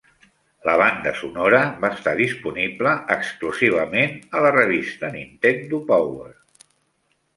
La banda sonora va estar disponible exclusivament a la revista "Nintendo Power".